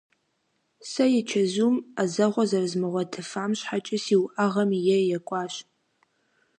Сэ и чэзум ӏэзэгъуэ зэрызмыгъуэтыфам щхьэкӏэ си уӏэгъэм е екӏуащ.